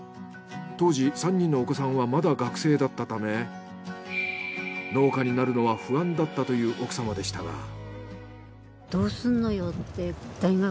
当時３人のお子さんはまだ学生だったため農家になるのは不安だったという奥様でしたが。